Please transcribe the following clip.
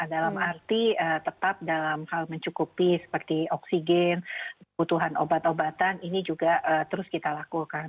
dalam arti tetap dalam hal mencukupi seperti oksigen butuhan obat obatan ini juga terus kita lakukan